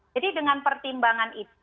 jadi dengan pertimbangan itu